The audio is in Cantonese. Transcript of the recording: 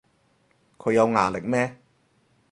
佢有牙力咩